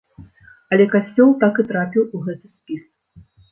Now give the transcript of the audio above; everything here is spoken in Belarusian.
Але касцёл так і трапіў у гэты спіс.